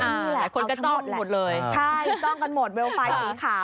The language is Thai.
อ้าวหลายคนก็จ้องหมดเลยใช่จ้องกันหมดวิวไฟล์อีกข่าว